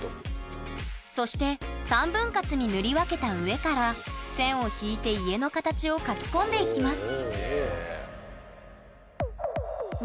そして３分割に塗り分けた上から線を引いて家の形を描き込んでいきます